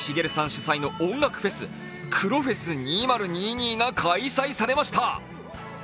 主催の音楽フェス、黒フェス２０２２が開催されました。